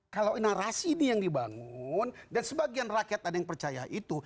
kalau narasi ini yang dibangun dan sebagian rakyat ada yang percaya itu